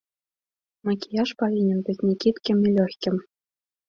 Макіяж павінен быць някідкім і лёгкім.